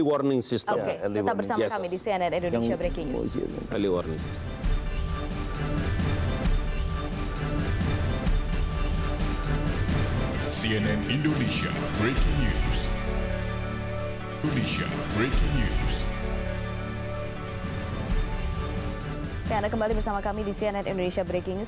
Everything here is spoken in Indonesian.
anda akan berjumpa bersama kami di cnn indonesia breaking news